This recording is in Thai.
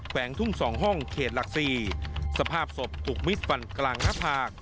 วงทุ่ง๒ห้องเขตหลักสี่สภาพศพถูกมิดฟันกลางหน้าผาก